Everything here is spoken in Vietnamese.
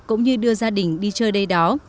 cũng như đưa gia đình đi chơi đây đó